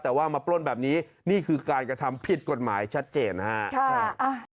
แต่ว่ามาปล้นแบบนี้นี่คือการกระทำผิดกฎหมายชัดเจนนะครับ